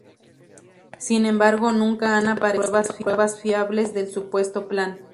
Sin embargo, nunca han aparecido pruebas fiables del supuesto plan.